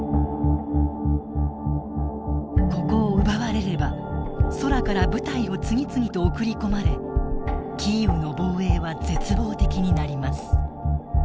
ここを奪われれば空から部隊を次々と送り込まれキーウの防衛は絶望的になります。